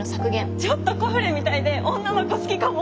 ちょっとコフレみたいで女の子好きかも。